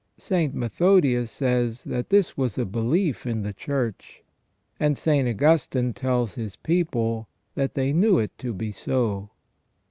St. Methodius says that this was a belief in the Church, and St. Augustine tells his people that they knew it to be so.